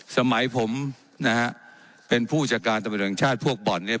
สมัยผมนะฮะเป็นผู้จัดการตำรวจแห่งชาติพวกบ่อนเนี่ย